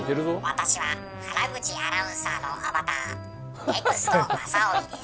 私は原口アナウンサーのアバターＮＥＸＴマサオミです。